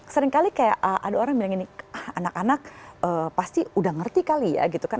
seringkali kayak ada orang bilang ini ah anak anak pasti udah ngerti kali ya gitu kan